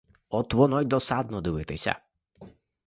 От воно й досадно дивитися.